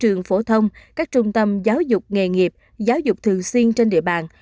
trường phổ thông các trung tâm giáo dục nghề nghiệp giáo dục thường xuyên trên địa bàn